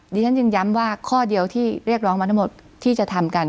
ดิฉันจึงย้ำว่าข้อเดียวที่เรียกร้องมาทั้งหมดที่จะทำกัน